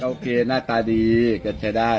โอเคหน้าตาดีก็ใช้ได้